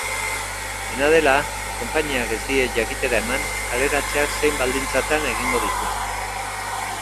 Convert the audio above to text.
Dena dela, konpainiak ez die jakitera eman kaleratzeak zein baldintzatan egingo dituen.